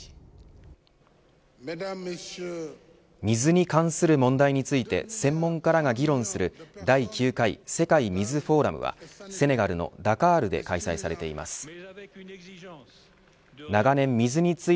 水に関する問題について専門家らが議論する第９回世界水フォーラムはセネガルのダカールで開催されています。